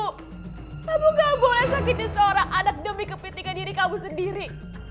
kamu gak boleh sakitin seorang anak demi kepentingan diri kamu sendiri